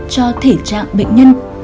cho thể trạng bệnh nhân